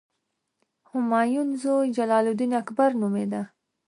همایون زوی جلال الدین اکبر نومېده.